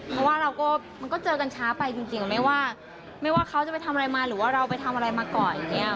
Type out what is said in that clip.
เพราะว่าเราก็มันก็เจอกันช้าไปจริงไม่ว่าไม่ว่าเขาจะไปทำอะไรมาหรือว่าเราไปทำอะไรมาก่อนอย่างนี้